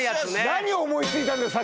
何を思いついたんだよ